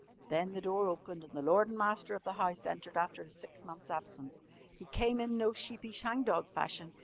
Then the door opened, and the lord and master of the house entered after his six months' absence. He came in no sheepish hang dog fashion.